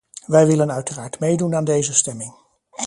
Wij willen uiteraard meedoen aan deze stemming.